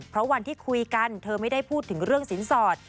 เพราะวันที่คุยกันเธอไม่ได้พูดถึงเรื่องสินสอด